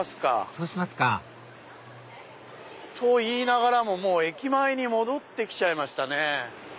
そうしますかと言いながらも駅前に戻ってきちゃいましたね。